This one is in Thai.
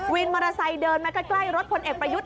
วินมอเตอร์ไซค์เดินมาใกล้รถพลเอกรยุทธ์ไปยุทธ์